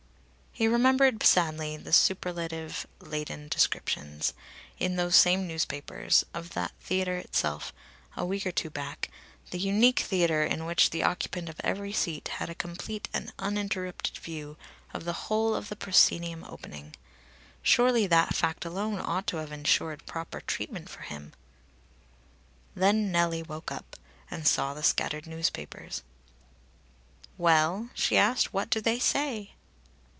He remembered sadly the superlative laden descriptions, in those same newspapers, of the theatre itself, a week or two back, the unique theatre in which the occupant of every seat had a complete and uninterrupted view of the whole of the proscenium opening. Surely that fact alone ought to have ensured proper treatment for him! Then Nellie woke up, and saw the scattered newspapers. "Well," she asked; "what do they say?"